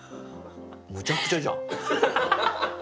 むちゃくちゃじゃん。